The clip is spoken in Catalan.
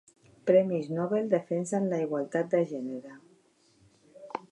Premis Nobel defensen la igualtat de gènere